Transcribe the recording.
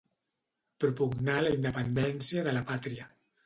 Propugnar la independència de la pàtria.